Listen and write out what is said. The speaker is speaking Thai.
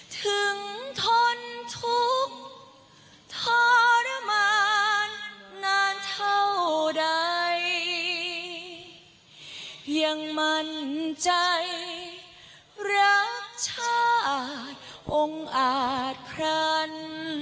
ทนทุกข์ทรมานนานเท่าใดยังมั่นใจรักชาติองค์อาจครัน